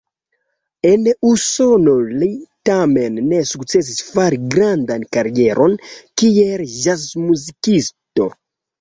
En Usono li tamen ne sukcesis fari grandan karieron kiel ĵazmuzikisto.